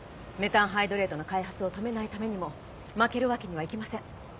メタンハイドレートの開発を止めないためにも負けるわけにはいきません。